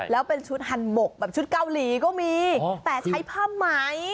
แล้วเป็นชุดหั่นหมกแบบชุดเกาหลีก็มีแต่ใช้ผ้าไหม